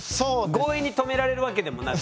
強引に止められるわけでもなく。